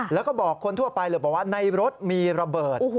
แล้วก็บอกคนทั่วไปเลยบอกว่าในรถมีระเบิด